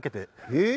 えっ。